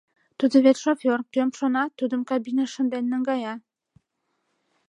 Тудо вет шофёр, кӧм шона, тудым кабиныш шынден наҥгая.